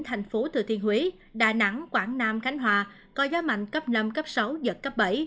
thành phố thừa thiên huế đà nẵng quảng nam khánh hòa có gió mạnh cấp năm cấp sáu giật cấp bảy